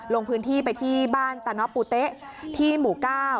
ลงพื้นที่ไปที่บ้านตะเนาะปูเต๊ะที่หมู่๙